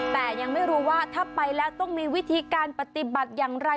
แต่ยังไม่รู้ว่าถ้าไปแล้วต้องมีวิธีการปฏิบัติอย่างไร